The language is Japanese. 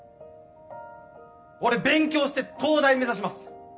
俺勉強して東大目指します。